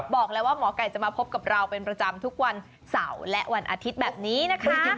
บอกแล้วว่าหมอไก่จะมาพบกับเราเป็นประจำทุกวันเสาร์และวันอาทิตย์แบบนี้นะคะ